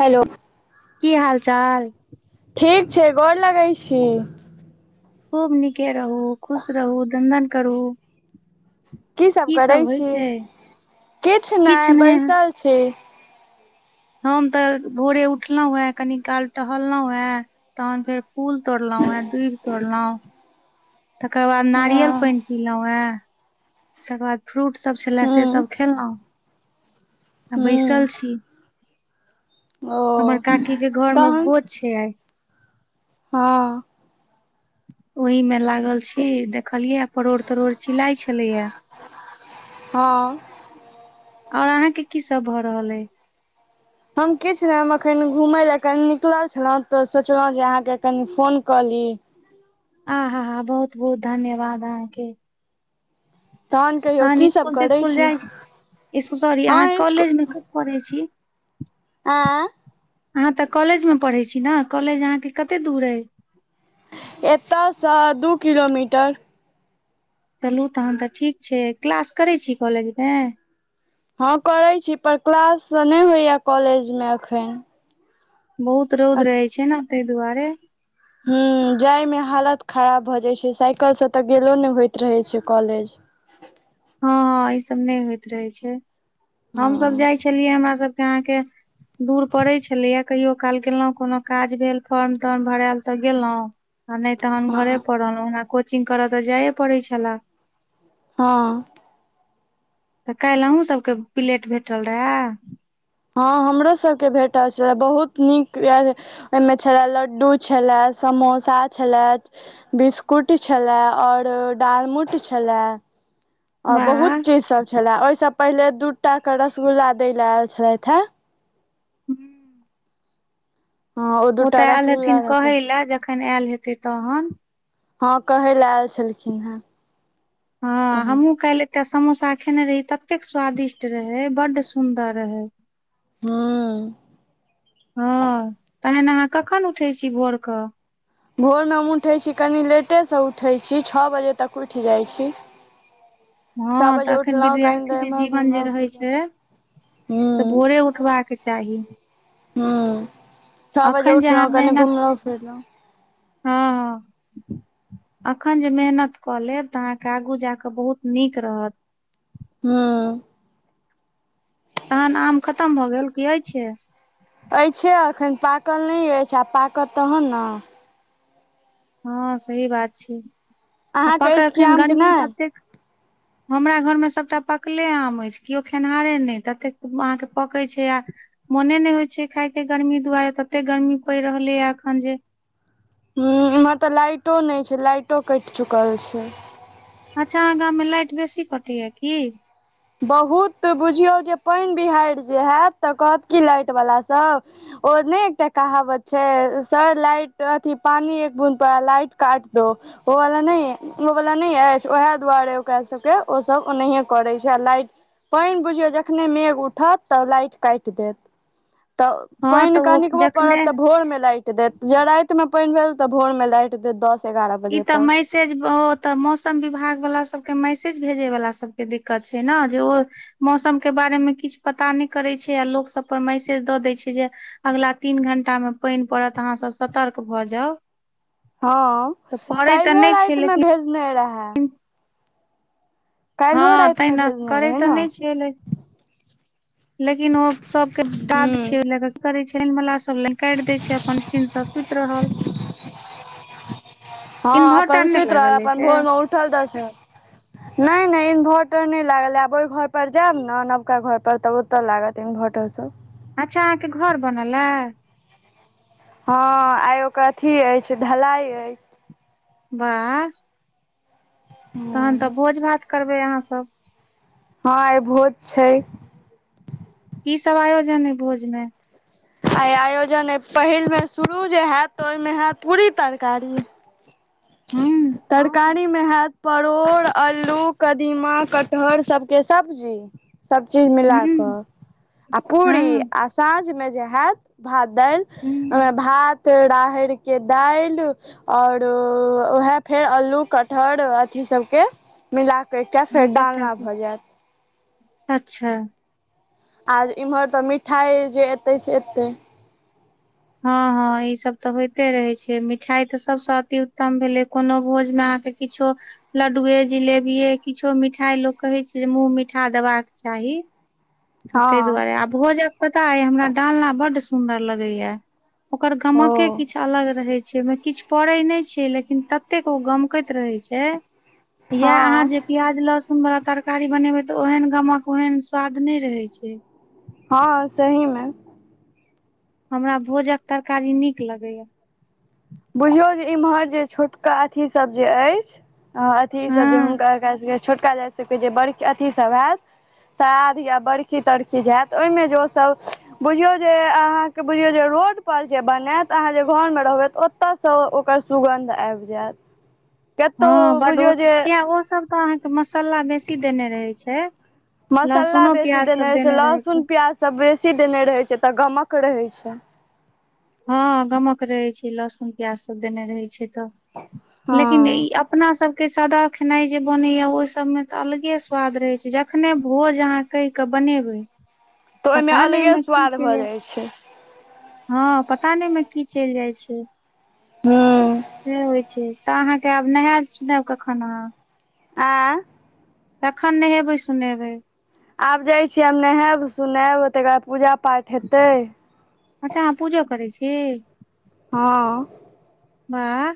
Hello. की हाल चाल। ठीक छै गोर लगै छी। खूब नीके रहू, खुश रहू, दनदन करु। की सब करै छी, छै किछ नहि बैसल छी। हम तऽ भोरे उठलहुं हे, कनी काल टहलहुं हे, तहन फेर। फूल तोड़लहुं हे, दूईब तोड़लहुं, तकर बाद हँ नारियल पानि पिलहुं हे। तकर बाद फ्रूट सब छले से हूँ सब खेलहुँं आ हूँ बैसल छी ओ हमर काकी के घर मे तहन भो ज छैइ आइ हँ ओहि में लागल छी देखलिये परोड़ तरोड़ छिलाई छलेया। हँ और अहाँ के की सब भऽ रहल अय? हम किछ नहि हम एखन घुमय लए कनि निकलल छलहुँ तऽ सोचलहुँ जे अहाँके कनि फोन कऽ ली आ हा हा बहुत-बहुत धन्यवाद अहाँके। कहियौ तहन की सब इसकुल करै तिस्कुल छी जाइ स्कू सॉरी हँ अहाँ इसकु कॉलेज में क पढ़ै छी। आँ अहाँ तऽ कॉलेज में पढ़े छी ने कॉलेज अहाँ के कते दूर अय? एतयसँ दू किलोमीटर। तलू तखन तऽ ठीक छै क्लास करै छी कॉलेजमे? हँ करैत छी पर क्लास नै होइए कॉलेजमे एखनि बहुत रौद रहै छै ने तय दुआरे। हम्म जायमे हालत खराब भऽ जाइ छै साइकल से तऽ गेलो नहि होइत रहै छै कॉलेज। हँ ई सब नहि होइत रहे छै हमसभ हँ जाइ छलियै हमरा सबके अहाँके दूर पड़ै छलैए कहियो काल गेलहुँं कोनो काज भेल फॉर्म ताॅर्म भरैल तऽ गेलौं आ नै तहन घरे हँ पर रहलौं ओना कोचिंग करऽ तऽ जाए पड़ै छलै। हँ तऽ काइल अहूँ सबके पिलेट भेटल रहए? हँ हमरो सबके भेटल छलै बहुत नीक व्य ओयमे छले लड्डू छले समोसा छलै बिस्कुट छलए और डालमूट छलए और बहुत चीज सब छले ओहिसँ पहिले दू टा क रसगुल्ला दय ले आयल छलैथ हे। हूं हँ ओ दूटा तऽ ऐल रसगुल्ला हेथिन कहै लए जखन आयल हेतै तहन हँ कहय ले ऐल छलखिन हेँ। हँ तहन हमहुं काइल एकटा समोसा खेने रही ततेक स्वादिष्ट रहै बड्ड सुंदर रहय। हूम्म हँ तहन अहाँ कखन उठै छी भोर क? भोरमे हम उठै छी कनि लेटेसँ उठै छी छ बजे तक उठि जाइ छी। छओ हँ बजे तऽ अखैन उठलहुँ कनि देर विद्यार्थीके एम्हर जीवन जे घुमलहुँ रहै फिरलहुँ छै से हूँ भोरे उठबाक चाही। हूं छ बजे अखन जे अहाँ उठलौं कनि मेहनत घुमलौं फिरलौं हँ हँ अखनि जे मेहनत कऽ लेब तऽ अहाँके आगू जाकऽ बहुत नीक रहत। हूॅं तहन आम खतम भऽ गेल की अइछै? अइछे अखन पाकल नै ऐछ आब पाकत तहन ने। हँ सही बात छै आ अहाँके पके अछि कि एखन आम कि गर्मी नहि ततेक हमरा घरमे सबटा पकले आम ऐछ केओ खेनहारे नै ततेक अहाँके पकै छै आ मोने नै होइ छै खायके गर्मी दुआरे तते गर्मी पड़ि रहलैए एखन जे हुं एमहर त लाइटो नै छै, लाइटो कैट चुकल छै। अच्छा अहाँ गाममे लाइट बेसी कटैये की? बहुत बुझियौ जे पानि बिहैड़ जे हैत त कहत की लाइट वला सब ओ नै एकटा कहावत छै सर लाइट अथि पानी एक बुंद परा लाइट काट दो। ओ वाला नै ओ वाला नै ऐछ वैह दुआरे ओकरा सब के ओ सब ओनहियें करै छै। लाइट, पानि बुझियौ जखने मेघ उठत त लाइट काटि देत। त हँ तऽ पानि ओ कनिकबो जखने पड़त त भोर में लाइट देत ज राति मे पानि भेल त भोर मे लाइट कैट जायत ई त मैस मैसेज ओ त मौसम विभाग वला सबके मैसेज भेजै वला सबके दिकत छै ने जे ओ मौसम के बारे मे किछ पता नहि करैत छै आ लोक सब पर मैसेज द दै छै जे अगिला तीन घंटा में पानि पड़त अहाँ सब सतर्क भ जाउ हँ, तऽ पड़ै तऽ काल्हियो नहि छै राति मे लेकिन भेजने रहे। हँ तै रातिमे न भेजने करै रहै त न नै छियै लेकिन लेकिन ओ सबके दाद छियै हूँ ने त करै छियै अही बला से सब लाइन काटि दै छै अपन निश्चिंत से सुति रहल हँ इन्वर्टर अपन नहि सुति रहल लागल ऐछ अपन से [unintelligible] नै नै इन्वर्टर नहि लागल ये आब ओहि घर पर जायब ने नबका घर पर त त लागत इन्भर्टर सब अच्छा अहाँके घर बनल ए हँ आइ ओकर अथि अछि ढलाई अछि। वाह। तखन त हँ भोज भात करबै अहाँ सब हँ भोज छै। की सब आयोजन अछि भोज मे आइ आयोजन अछि पहिल बेर शुरू जे होयत त ओहिमे होयत पूरी तरकारी [inaudible] तरकारी तरकारी मे हैत परोर, आलू, कदीमा, कटहर सबके सब्जी सब चीज मिला क हूँ आ पूरी, हँ आ साँझमे जे हैत भात दालि, ओहिमे हूँ भात राहरिके दालि और वैह फेर अलू, कटहर अथि सबके मिलाके एकटा फेर हँ सबटा डालना के भ जायत अच्छा। आ इमहर त मिठाइ जे एतै से एतै हँ हँ ई सब त होइते रहै छै मिठाई त सभसँ अति उत्तम भेलै कोनो भोजमे अहाँके किछो लड्डुए, जिलेबीए किछो मिठाई से लोक के कहै छै जे मुंह मिठा देबाक चाही। हँ तै दुआरे आ भोजक पता अइ हमरा डालना बड सुन्दर लगैए। ओकर ओ गमके किछु अलग रहै छै, किछु पड़ै नहि छै लेकिन ततेक ओ गमकैत रहै छै। यैह अहाँ हँ जे प्याज लहसुन वला तरकारी बनेबै त ओहेन गमक ओहेन स्वाद नै रहै छै। हँ सही में। हमरा भोजक तरकारी नीक लागय य। बुझियौ जे इम्हर जे छोटका अथी सभ जे अछि। ह अथीसभ जे हँ हुनका कएक छोटका जाति सभके जे बड़ अथी सभ हैत। श्रार्ध या बरकी -तरकी जे हैत ओहिमे जे ओ सभ बुझियौ जे अहाँके बुझियौ जे रोडपर जे बनायत अहाँ जे घर में जे रहबै ओ ओतय सँ ओकर सुगन्ध आबि जायत। हँ कतहु बड अ बुझियौ जे किया ओ सब तऽ अहाँके मसाला बेस बेसी देने रहे छै, मसाला लहसुनो बेसी प्याज सब रहै छै देने रहे लहसुन छै। प्याज सब बेसी देने रहै छै, तऽ गमक रहै छै। हँ गमक रहै छै, लहसुन प्याज सब देने रहैत छै तऽ हँ लेकिन ई अप अपना सबके सादा खेनाई जे बनैया ओहि सब मे तऽ, अलगे स्वाद रहय छै, जखने भोज अहाँ के कहि के बनेबै, तऽ ओहिमे पता नहि अलगे ओहिमे की स्वाद चलि भऽ जाय जाइ छै। हँ पता नहि ओहिमे की चलि जायत छै हूँ से होइ छै। तऽ अहाँके आब नहायब- सुनायब कखन आहाँ? आँ। एखन नहेबै सुनेबै। आब जाइ छियै हम नहायब -सुनायब तकर बाद पूजा पाठ हेतै। अच्छा अहाँ पूजो करै छी? हँ। वाह!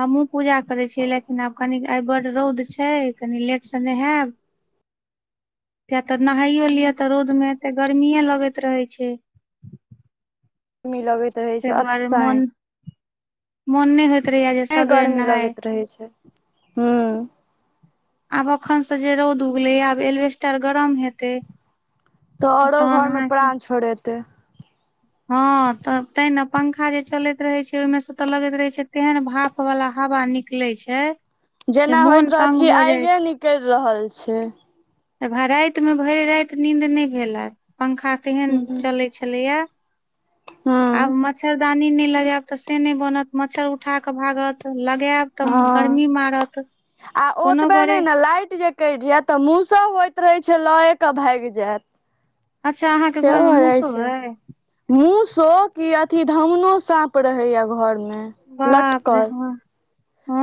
हमहूँ पूजा करै छियै, लेकिन आब कनि आइ बड्ड रौद छै कनि लेटसँ नहायब। कियकि तऽ नहाइयो लियअ तऽ रोद में तऽ गर्मीेये लगैत रहे छै। गर्मी लागैत रहै ताहि छै दुआरे अतसाइन मन मन नहि होइत रहैया जेँ एते गर्मी लगैत रहै छै, हूँ। आब एखन सँ जे रौद उगले है, आब एलबेस्टर गरम हेते। तऽ औरो घर मे प्राण छोड़ेतै। हँ, तऽ तैनऽ पंखा जे चलैत रहे छै, ओहिमें से तऽ लगैत रहे छै तेहन भाप ओ वाला हवा निकले छै। जे जेना होइत मोन रहत तंग कि भऽ आइगे निकलि रहल छै। रातिमें भरि राति नीन्द नहि भेलए, पंखा तेहन हूँ चलैत छलैए। हूँ आब मच्छरदानी नहि लगायब तऽ से नहि बनत, मच्छर उठाक भागत, लगायब तऽ हँ गर्मी मारत कोनो ओतबे गरे नहि ने लाइट जे कैटि जायत तऽ, मुसो होइत रहे छै लये के भागि जायत। अच्छा! अहाँके घर मे मूसो अय। मुसो कि अथि धामनो साँप रहेया घरमे। बाप रे लटकल- हँ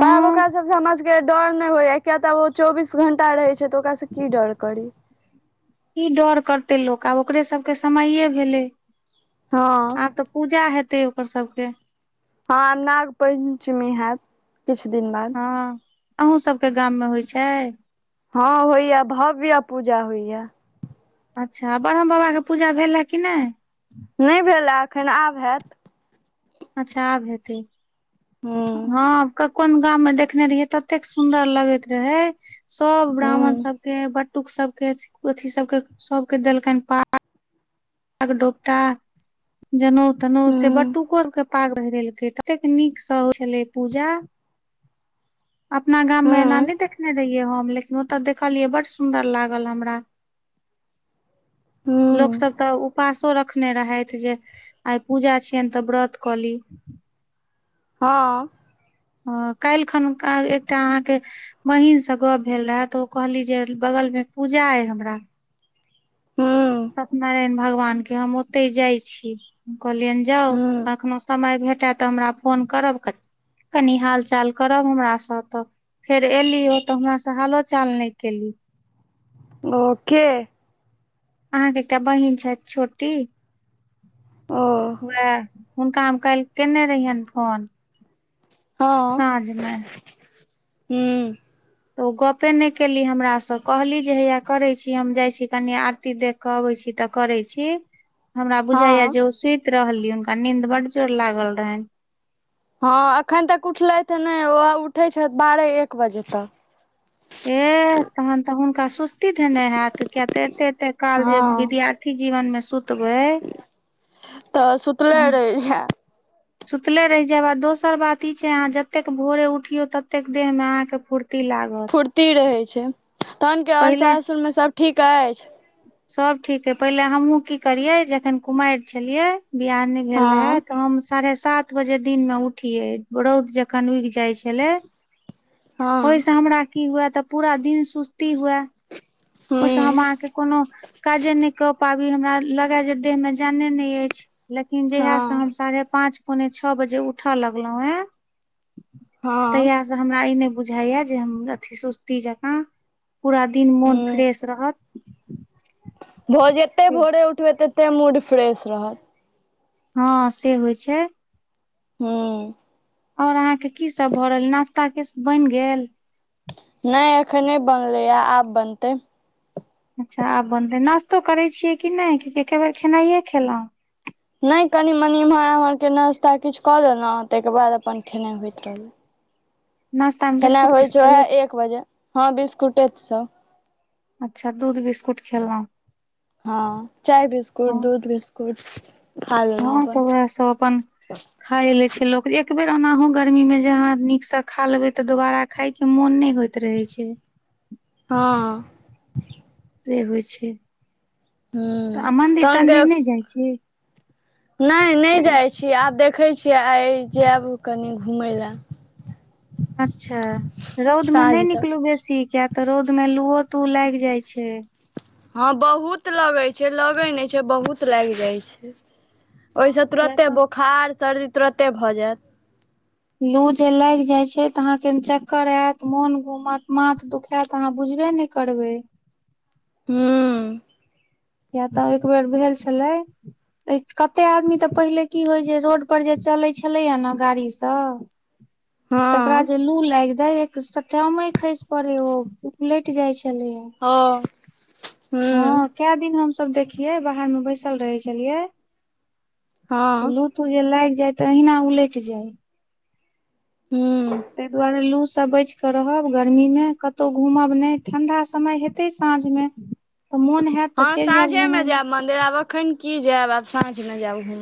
त आब ओकरा सभसँ हमरा सब के डर नहि होइया, किया तऽ ओ चौबीस घंटा रहै छै, तऽ ओकरासँ की डर करू। की डर करते लोक, आब ओकरे सभके समये भेलै, हँ आब तऽ पूजा हेतै ओकर सभके। हँ, आब नाग पंचमी हैत किछु दिन बाद। हँ अहूँ सभके गाम में होइ छै। हँ होइया, भव्य पूजा होइया। अच्छा, ब्रह्म बाबाके पूजा भेल अछि कि नहि? नहि भेले एखैन आब हैत। अच्छा आब हेतै। हूँ हँ क कोन गाममें देखने रहियै ततेक सुन्दर लगैत रहै सभ ब्राह्मण हूँ सभके, बटुक सभके अथि सभके सब के देलकनि हन पाग डोपटा, जनेउ तनेऊ, से हूँ बटुको सभके पाग पहिरेलकै ततेक निक सँ होइ छलै पूजा अपना गाम मे एना हूँ नहि देखने रहियै हम लेकिन ओत देखलिएऐ बड सुन्दर लागल हमरा-लोक हूँ सभ उपासो रखने रहथि जे आइ पूजा छियनि त व्रत क ली। हँ। हँ काल्हि खन एकटा अहाँके बहिन से गप भेल रहा त ओ कहली जे बगल मे पूजा अय हमरा हूँ सत्यनारायण भगवान के हम ओतय जाइ छी। कहलियनि जाउ हूँ कखनो समय भेटय त हमरा फोन करब कनि हाल चाल करब हमरा सँ त फेर एली ओ त हमरा से हालो चाल नहि केली। ओ के? अहाँके एकटा बहीन छैथ छोटी। ओ वैह हुनका हम काल्हि केने रहियनि फोन। हँ साँझ मे हू। त ओ गपे नहि केली हमरा से कहली जे हैया करै छी हम जाइ छी कनि आरती देख। क अबै छी त करै छी। हमरा बुझैये हँ जे ओ सुति रहली हुनका नींद बड जोर लागल रहनि। हँ एखन तक उठलथि नहि ओ उठै छथि बारह एक बजे तक। एह तखन त हुनका सुस्ती धेने हैत किया त एते एते काल जे हँ विद्यार्थी इ जीवनमे सुतबै त सुत तैह सुतले रहि जायब आ दोसर बात ई छैय अहाँ जतेक भोरे उठियो ततेक देह में आहा के फूर्ती लागत। फूर्ती रहै छैय, तखन के और पहिले सासुर मे सब ठीक अछि? सब ठीक ऐछ, फहिले हमहुँ की करियै जखन कुमारि छलियै बियाह नहि भेल रहे हँ त हम साढ़े सात बजे दिन मे उठियै रौद जखन उगि जाइ छलै हँ ओहिसे हमरा की हुए त पूरा दिन सुस्ती हुए हूँ ओहिसँ हम अहाॅंके कोनो काजे नहि क पाबी हमरा लगै जे देहमे जाने नहि अछि। लेकिन जहिया हँ से हम साढ़े पांच पौने छओ बजे उठए लगलहुं हें हँ -तहियासँ हमरा ई नहि बुझाइए जे हम अथि सुस्ती जकाँ पूरा दिन मोन हूँ फ्रेश रहत। ओ जते भोरे उठबै तते मूड फ्रेश रहत। हँ से होइ छैय। हुं। और अहाँके की सब भ रहल नश्ता किस बनि गेल? नहि एखन नहि बनलैए आब बनतै। अच्छा आब बनतै नाश्तो करै छियै कि नहि एके बेर खेनाइयए खेलहुँ नहि कनि मनि एम्हर -आम्हरके नाश्ता किछु कऽ लेलहुँ, ताहिके बाद अपन खेनाइ होइत रहल। नाश्ता मे खेनाइ बिस्कुट होइ छैय तिस्कुट ओएह एक बजे, हँ बिस्कुटे सब। अच्छा दूध बिस्कुट खेलहु। हँ चाय बिस्कुट, हँ दूध बिस्कुट। खा लेलहुँ हँ तऽ अपन वएह सब अपन खाय ले छैय लोक। एकबेर ओनाहु गर्मी में जे अहाॅं निक सऽ खा लेबे, तऽ दोबारा खाय के मोन नहि होइत रहे छैय। हँऽ। से होइ छैय, तऽ हूँ आ मन्दिर- तहन तन्दिर के नहि जाइ छी। नहि नहि जाइत छी, आब देखैत छियै आइ जायब कनि घुमय लेलए। अच्छा! रौदमे साँझ नहि तक निकलू बेसी किया तऽ रौद में लुओ तू लागि जाय छैय। हँ बहुत लगैत छैय, लगैत नहि छैय बहुत लागि जाइ छैय। हँ ओहिसँ किया तुरते तऽ बोखार सर्दी तुरते भऽ जायत। लू जे लाग जाय छैय तऽ, अहाँ के चक्कर आयत मोन घूमत माथ दुखायत, अहाँ बुझबे ने करबै। हूँ। किया तऽ एक बेर भेल छलै। तऽ कतेक आदमी तऽ पहिले की होइ जे, रोडपर जे चलै छलैए ने गाड़ीसँ। तकरा हँ जे लू लागि जाय। सटामे खैस पड़े, ओ उलैट जाय छले हे। हँऽ हू। कै दिन हम सब देखिये, बाहर में बैसल रहे छलिये हँ लू तू जे लागि जाय तऽ अहिना उलटि जाय। हूँ ताहि दुआरे लू सऽ बैच त रहब गर्मीमे कतहु घूमब नहि, ठंडा समय हेतै साँझमे। तऽ मोन हयत। हँ साँझे मे जायब मंदिर, आब अखन की जायब आब साँझ मे जायब घुमे